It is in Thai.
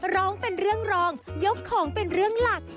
ร้องเป็นเรื่องรองยกของเป็นเรื่องหลัก